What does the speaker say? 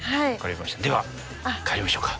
では帰りましょうか。